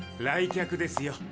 来客ですよ。